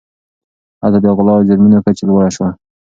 هلته د غلا او جرمونو کچه لوړه سوه.